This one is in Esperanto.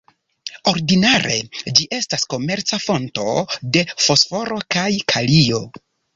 Ordinare, ĝi estas komerca fonto de fosforo kaj kalio.